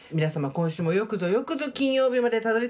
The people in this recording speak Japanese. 今週もよくぞよくぞ金曜日までたどりつきました！